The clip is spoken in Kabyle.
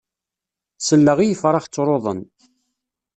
Selleɣ i ifrax ttruḍen.